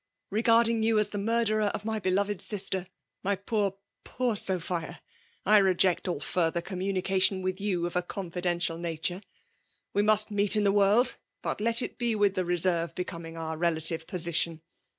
*' Begard iitg you as the murderer of my beloved sister ; my poor, poor Sophia^ — I reject all furthex communication with you of a confidential nature. We must meet in the world ; but let it be with the reserve becoming our relative position.